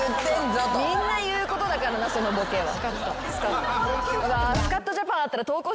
みんな言うことだからなそのボケは。